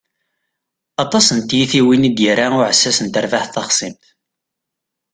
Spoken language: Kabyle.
Aṭas n tyitwin i d-irra uɛessas n terbaɛt taxṣimt.